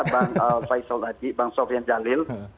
pak faisal tadi pak sofian jalil